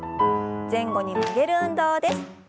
前後に曲げる運動です。